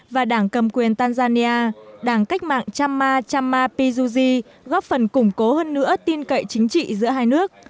và đảng cầm quyền tanzania đảng cách mạng chama chama pizuji góp phần củng cố hơn nữa tin cậy chính trị giữa hai nước